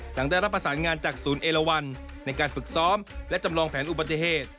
หลังได้รับประสานงานจากศูนย์เอลวันในการฝึกซ้อมและจำลองแผนอุบัติเหตุ